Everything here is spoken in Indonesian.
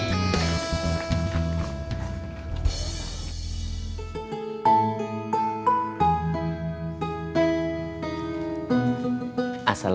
tidak ada yang bisa dikira